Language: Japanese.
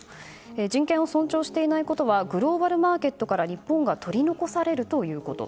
人権を尊重していないことはグローバルマーケットから日本が取り残されるということ。